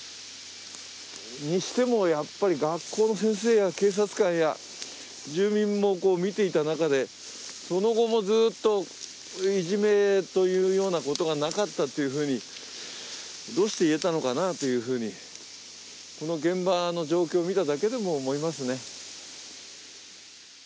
にしても学校の先生や警察官や、住民も見ていた中で、その後もずっと、いじめというようなことがなかったというふうに、どうして言えたのかなというふうにこの現場の状況を見ただけでも思いますね。